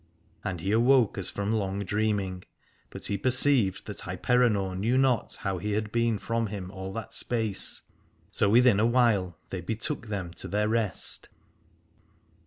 And he awoke as from long dreaming: but he perceived that Hyperenor knew not how he had been from him all that space. So within a while they betook them to their rest.